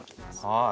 はい。